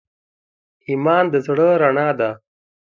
ایمان د زړه رڼا ده.